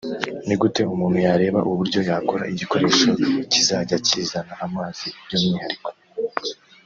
ni gute umuntu yareba uburyo yakora igikoresho kizajya kizana amazi by’umwihariko